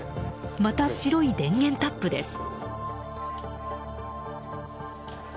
また白い電源タップです。